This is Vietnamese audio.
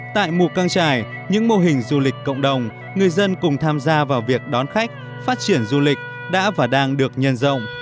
tại mù căng trải những mô hình du lịch cộng đồng người dân cùng tham gia vào việc đón khách phát triển du lịch đã và đang được nhân rộng